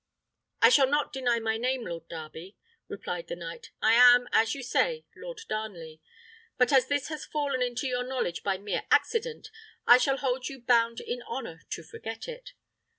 " "I shall not deny my name, Lord Darby," replied the knight. "I am, as you say, Lord Darnley; but as this has fallen into your knowledge by mere accident, I shall hold you bound in honour to forget it."